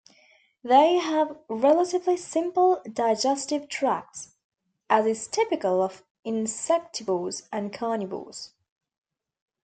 They have relatively simple digestive tracts, as is typical of insectivores and carnivores.